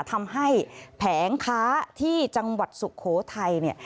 ทำให้แผงค้าที่จังหวัดสุโขทัยเนี่ย